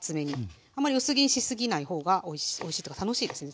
あんまり薄切りにしすぎないほうがおいしいというか楽しいですね